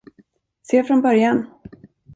Se från början.